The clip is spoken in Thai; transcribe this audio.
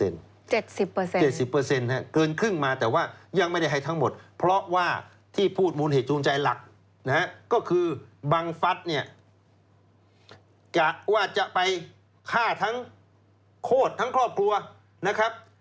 ๗๐๗๐เกินครึ่งมาแต่ว่ายังไม่ได้ให้ทั้งหมดเพราะว่าที่พูดมูลเหตุจูงใจหลักนะฮะก็คือบังฟัสเนี่ยกะว่าจะไปฆ่าทั้งโคตรทั้งครอบครัวนะครับ